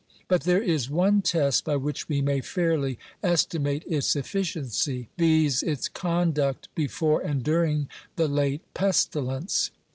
But there is one test by which we may fairly estimate its efficiency, viz., its conduct be fore and during the late pestilence.